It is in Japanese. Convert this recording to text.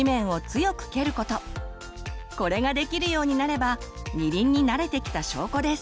これができるようになれば二輪に慣れてきた証拠です！